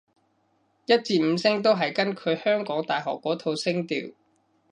一至五聲都係根據香港大學嗰套聲調